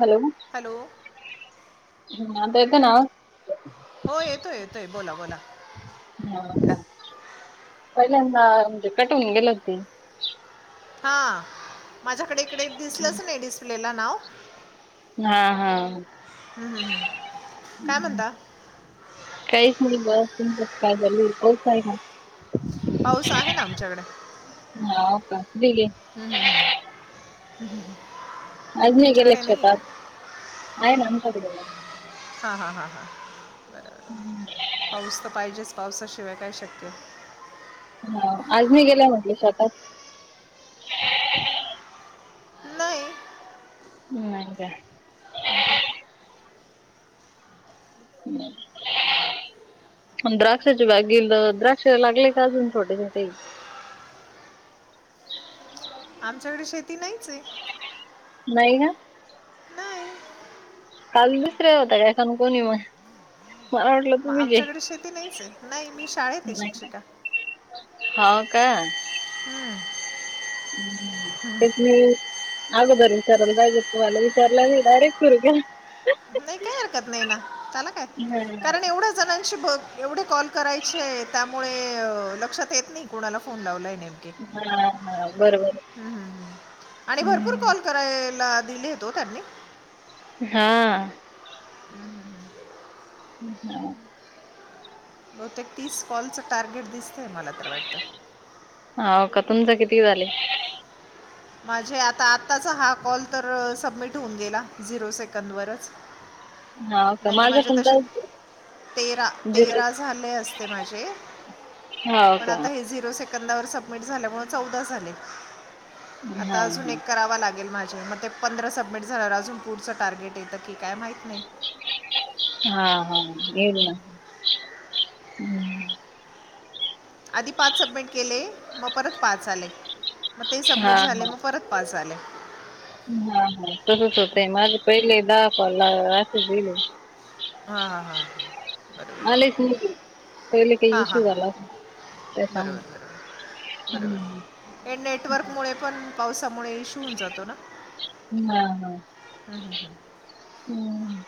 Hello hello हं, आता येतोय ना आवाज? हो येतोय येतोय, बोला बोला. हो का, पहिल्यांदा म्हणजे कट होऊन गेल होत ते. हा, माझ्याकडे इकडे दिसलंच नाही डिस्प्लेला नाव. हा हा हम्म, काय म्हणता? कायच, [unintelligible] पाऊस आहे ना? पाऊस आहे ना आमच्याकडे. हाव का, [inaudible] हम्म हम्म हम्म आज नाही गेल्या का शेतात? आहे ना आमच्या कडे म हा हा हा हा. हम्म पाऊस तर पाहिजेच, पावसाशिवाय काय शक्य. हो, आज नाही गेल्या म्हंटल शेतात. नाही नाही का. [unintelligible] मंग द्राक्षाची बाग केल तर, द्राक्ष लागले का अजून छोटे छोटे? [unintelligible] आमच्याकडे शेती नाहीच ये. नाही का? नाही काल दुसऱ्या होत्या काय जाणू कोणी मग? मला वाटलं हा तुम्हीच आहे आमच्याकडे शेती नाहीच ये नाही, मी शाळेत आहे शिक्षिका. हाव का? हम्म, तेच नई आगोदर विचारायला पाहिजे तुम्हाला, विचारलं नाही डायरेक्ट सुरू केलं, अं हं. नाही काय हरकत नाही ना त्याला काय, कारण हा एवढच पाच जणांशी बघ एवढे कॉल करायचे, त्यामुळे अं लक्षात येत नाही कुणाला फोन लावला आहे नेमके. हा- हा बरोबर ये. हम्म, हम्म, हम्म. आणि भरपूर कॉल करायला दिलेत हो त्यांनी. हा, हम् हम. बहुतेक तीस कॉलचं टार्गेट दिसतं ये, मला तर वाटतं. हाव का, तुमचं किती झाले? माझे आता आत्ताचा हा कॉल तर सबमिट होऊन गेला, झिरो सेकंदवरच. हाव का? नाही तर माझा माझे पण तसे तसंच ये. तेरा, तेरा झाले असते माझे, हो पण का आता हे झिरो सेकं सेकंदा वर सबमिट झाल्यामुळे चौदा झाले. हा आता अजून एक करावां लागेल, माझे मग ते पंधरा सबमिट झाल्यावर अजून पुढचं टार्गेट येतं की काय माहीत नाही. हा -हा येईल ना. हम्म, आधी पाच सबमिट केले, मग परत पाच आले. म ते हा सबमिट झाले, हा मग परत पाच आले. हा -हा तसच होतंय, माझे पहिले दहा कॉल ला अशेच येलं होते. हां हां हां बरोबर आलेच नही ये, पहिले काय हां हां इशू हां झाला होता. बरोबर, हम्म, बरोबर हे हं, नेटवर्कमुळे पण पावसामुळे इशु होवून जातो ना. हा -हा, हम्म.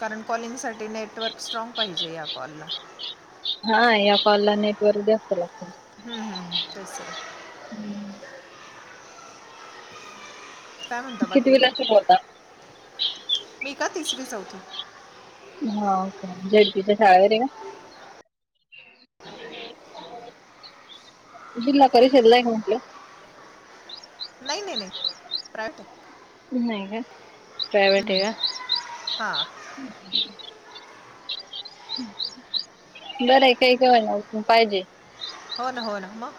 कारण कॉलिंगसाठी नेटवर्क स्ट्राँग पाहिजे या कॉलला. हा या कॉल ला नेटवर्क जास्त लागत. हम्, तसं हम्म, काय म्हणता बाकी? कितवीला शिकवता? मी का तिसरी- चौथी. हाव का झेड पी च्या शाळेमध्ये का? जिल्हा परिषदला य ना म्हंटलं नाही, नाही, नाही प्रायवेट आहे. नाही का? हा, हम्, बरं ये काही करायला पण पाहिजे. होना, होना मग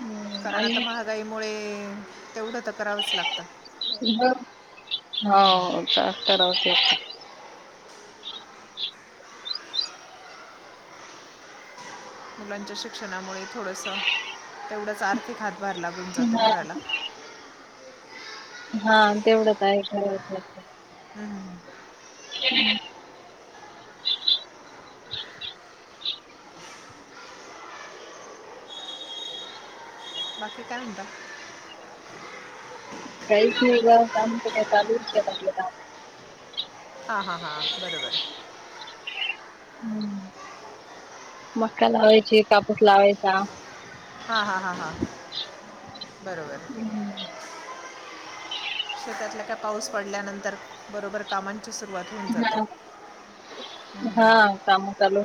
हम्म. कारण आता आणि महागाईमुळे तेवढं तर करावंच लागतं. हो, हं. काम करावतचं लागतं. मुलांच्या शिक्षणामुळे थोडंसं तेवढाच आर्थिक हातभार लागून जातो हा घराला. हा तेवढंत आहेच करायचं लागतं. हं. बाकी, काय म्हणता? काय केल? काम तर काय चालूच आहे. काम. हा-हा, हा, बरोबर. हम्म. मक्का लावायची, कापूस लावायचा. हा-हा, हा-हा, बरोबर. हम्-हम. शेतातल्या का? पाऊस पडल्यानंतर बरोबर कामांची सुरुवात होऊन जाते. हा हा काम चालू.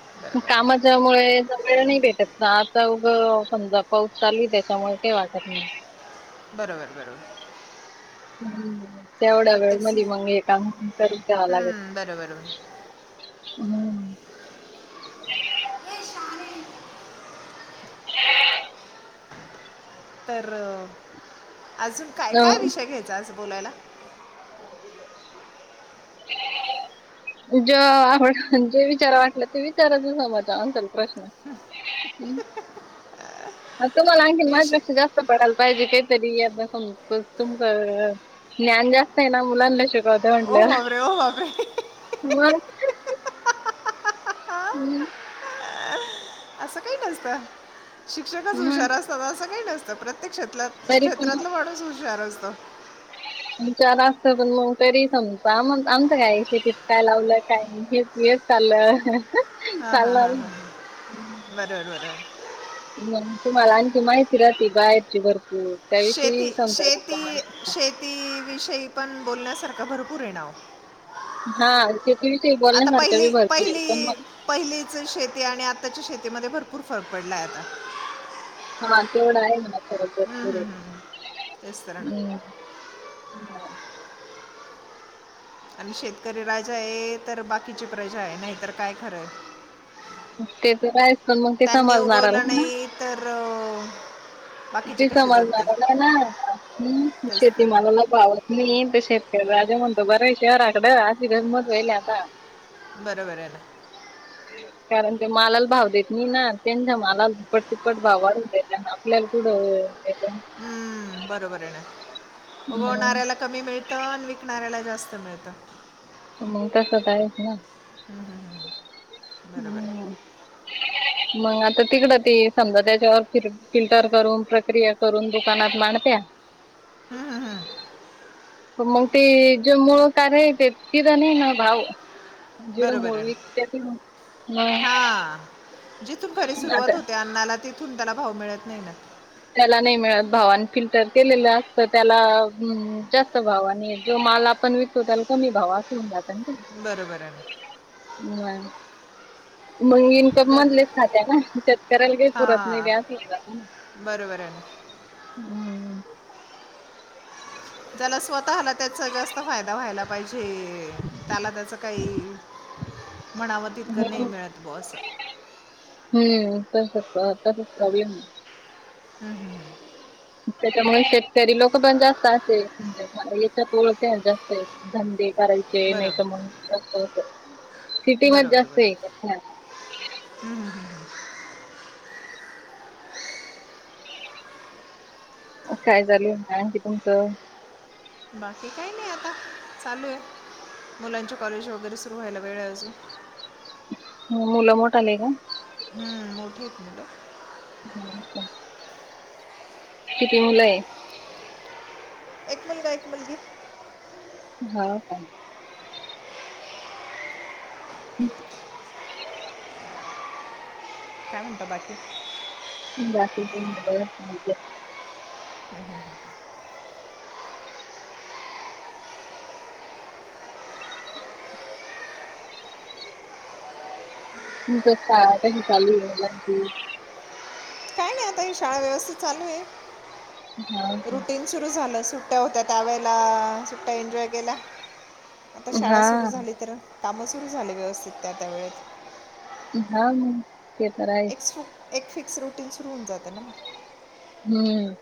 बरोबर कामाच्यामुळे जवळ नाही भेटत ना आता उघं समजा पाऊस चालू त्याच्यामुळे काही वाटत नाही. बरोबर-बरोबर. मधला लिंबू आहे. तेवढा वेळ प्रत्येक मध सी मग हे काम करून घ्याव लागत. हं, बरोबर हम्. [inaudible] [unintelligible] तर अजून अ काय-काय विषय घ्यायचा आज बोलायला? [inaudible] ज आवड जे विचार वाटलं, ते विचाराच, समजाल प्रश्न? हम्, म तुम्हाला आणखी विषय माझ्यापेक्षा जास्त पडायला पाहिजे काहीतरी, समजतंय तुमचं. ज्ञान जास्त आहे ना, मुलांना शिकवत. हो रे, हो रे. मग. हम्. अस काही नसतं शिक्षकच मग हुशार असतात असं काही नसतं प्रते ते तरी पण क्षेत्रात-क्षेत्रातलं माणूस हुशार असतं. विचार असत, पण मग तरी समजा आम आमचं काय शेतीत काय लावलंय, काय नाही. हे येच, हां चाल-चाल हां हां अजून. हां बरोबर बरोबर मग तुम्हाला आणखी माहिती राहते, बाहेरची भरपूर त्याविषयी समजा, म्हणू शकता. ती विषयी पण बोलण्यासारखं भरपूर ये नाव. हा, शेती विषयी आता बोलण्यासारख्या बी पहिली भरपूर आहे, पण पहिली मग पहिलीच शेती आणि आत्ताच्या शेतीमध्ये भरपूर फरक पडला आहे आता. हा, तेवढं आहे म्हणा खरोखर. पुरे, तेच तर ना हम्म. हा. आणि शेतकरी राजा आहे तर बाकीची प्रजा आहे, नाहीतर काय? खरं आहे. तेचं कायच असतं, पण मग ते त्यांनी समजणारला उगवलं म्हणा. नाही तर [unintelligible] बाकीचे ते कसे जगतील समजणाराला ना, हम्म, तेच तर ना. शेतीमालाला. पावत नाही ते. शेतकरी राजा म्हणतो बरं, शहराकडे अशी गमंत व्हायली आता. बरोबर आहे ना. ह [unintelligible] कारण ते मालाला भाव देत नाही ना, त्यांच्या मालाला दुप्पट तिप्पट भाव वाढून देत आपल्याला. कुड व्हयं ते? हम्म, बरोबर आहे ना? हम्म. उगवणाऱ्याला कमी मिळतं आणि विकणाऱ्याला जास्त मिळतं. हम् तसच आहेच ना, [inaudible] बरोबर आहे हम् मग आता तिकडं ते समजा, त्याच्यावर फि फिल्टर करून, प्रक्रिया करून दुकानात मांडत्या हम्म, हम्म, हम्म. मग ते जे मुळ कार्य आहे ते, तिथं नाही ना भाव. जीड बरोबर मुळ वीकत्यात तिठून [inaudible] हा. जिथून घरी सुरुवात होते अण्णाला, तिथून त्याला भाव मिळत नाही ना. आपल्याला नाही मिळत भाव. आणि फिल्टर केलेलं असतं त्याला, जास्त भाव. आणि जो माल आपण पण विकतो, त्याला कमी भाव असं होऊन जातं ना ते. बरोबर आहे ना [inaudible] व्हयं. मग येइल ते ज्या मधलेच खात्या ना. शेतकऱ्याला काही पुरत नाही हां ते असं होउन जातं. बरोबर आहे ना [inaudible] हम्म. त्याला स्वतःला त्याचा जास्त फायदा व्हायला पाहिजे. त्याला त्याचं काही म्हणावं तितकं नाही हम्म मिळत बॉ असं. हम्म. तसच तसच [unintelligible] हा हा. त्याच्यामुळे शेतकरी लोक पण जास्त असे, याच्यात वळत्याय जास्त धंदे करायचे. ते नाही का म? बरोबर [inaudible] सिटी मध्ये बरोबर जास्तये. बरोबर [inaudible] [inaudible] काय चालले मग आणखी तुमचं? बाकी काही नाही आता, चालू आहे. मुलांचे कॉलेज वगैरे सुरू व्हायला वेळ अजून. ह मुलं मोठंलेय का? मोठेत मुलं. [inaudible] किती मुलंय? एक मुलगा एक मुलगी. हा का. हम् [unintelligible] काय म्हणता बाकी? बाकी तुमचं बरं चाललं. तुमचं शाळा कशी चालू आहे मुलांची. नाही काय शाळा व्यवस्थित चालू आहे. हा का. रुटीन सुरू झालं अस सुट्ट्या होत्या त्यावेळेला सुट्ट्या एन्जॉय केल्या. [inaudible] आता शाळा सुरू हा झाली तर कामं सुरू झाले व्यवस्थित त्या त्या वेळेेत. हा मग ते तर आहेच. एक एक फिक्स रुटीन सुरू होऊन जातं ना मग. हम्म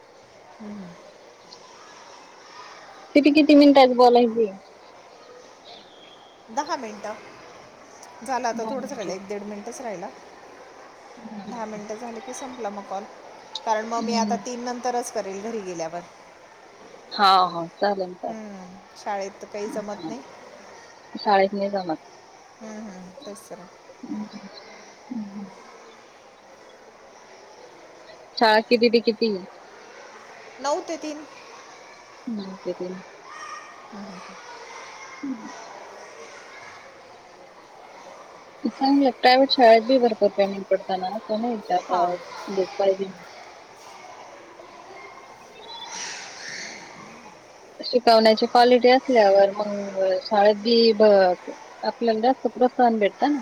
किती किती मिनिटांनी बोलायचंय? दहा मिनिटं. झालं आता दहा थोडंच राहिलं, मिनिटं. एक, दीड मिनटच राहिला. हो दहा का? मिनटं झाली की, संपला मग कॉल. कारण मग मी आता हम्म. तीन नंतरच करेल घरी गेल्यावर. हा हो. चालेल चालेल. हम्म, शाळेत तर काही जमत हा. नाही. शाळेत नाही जमत. तसं [inaudible] शाळा किती ते कितीय? नऊ ते तीन. नऊ ते तीन. हम्म. हम्म. चांगलं. प्रायव्हेट शाळेत बी भरपूर पेमेंट पडत ना. प [unintelligible] हां नाही पाहिजे. शिकवण्याची क्वालिटी असल्यावर, मंग शाळेत बी ब आपल्याला जास्त प्रोत्साहन भेटतं ना.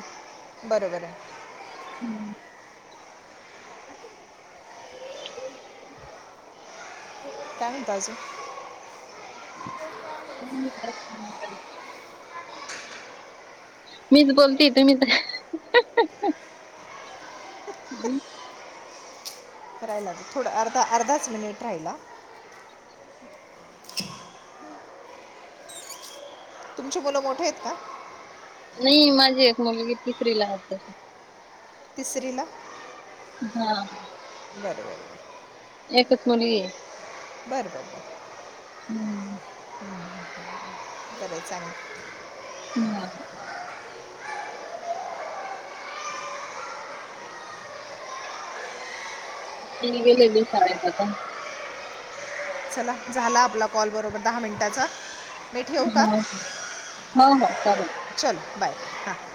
बरोबरय. हम्म. [unintelligible] काय म्हणता अजून? त्यानं एकदाच फोन काल. मीच बोलतीय. तुम्ही तर मी करायला थोडं, अर्धा- अर्धाच मिनिट राहिला. तुमची मुलं मोठेयत का? नाही, माझी एक मुलगी तिसरीला आताशी. तिसरीला? हा. बरं, बरं. एकच मुलगीय. बरं, बरं, बर. हम्म. बरय, चांगलं. हम्म. तिनी गेलेली सरायचा पण. चालेल चला. झाला आपला कॉल, बरोबर दहा मिनटाचा. मी ठेवू का? हा हो हो चालेल. चल, बाय. हां.